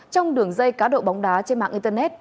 trong đường dây cá độ bóng đá trên mạng internet